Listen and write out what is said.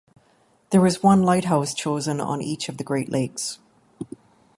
There was one lighthouse chosen on each of the Great Lakes.